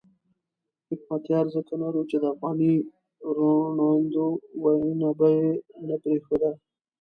حکمتیار ځکه نر وو چې د افغاني روڼاندو وینه به یې نه پرېښوده.